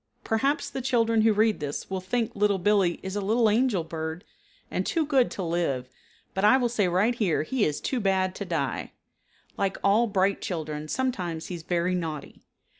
Perhaps the children who read this will think Little Billee is a little angel bird and too good to live, but I will say right here he is too bad to die. Like all bright children sometimes he is very naughty.